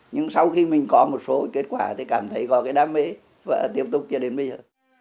nhưng sau khi mình có một số kết quả thì cảm thấy có cái đam mê và tiếp tục cho đến bây giờ